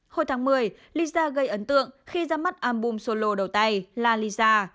hồi tháng một mươi lisa gây ấn tượng khi ra mắt album solo đầu tay la liza